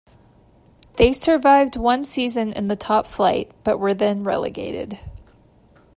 They survived one season in the top flight but were then relegated.